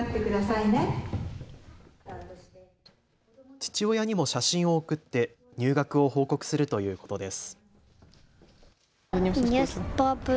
父親にも写真を送って入学を報告するということです。